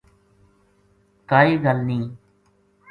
کائے گل نیہہ‘‘